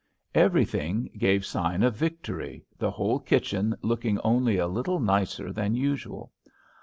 Everything gave sign of victory, the whole kitchen looking only a little nicer than usual.